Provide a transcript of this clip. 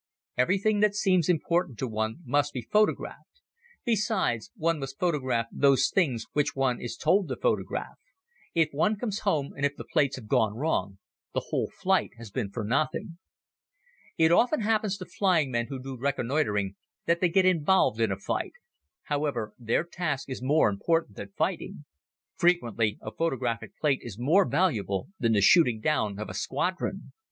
Everything that seems important to one must be photographed. Besides, one must photograph those things which one is told to photograph. If one comes home and if the plates have gone wrong, the whole flight has been for nothing. It often happens to flying men who do reconnoitering that they get involved in a fight. However, their task is more important than fighting. Frequently a photographic plate is more valuable than the shooting down of a squadron.